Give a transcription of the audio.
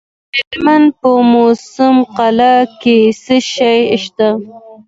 د هلمند په موسی قلعه کې څه شی شته؟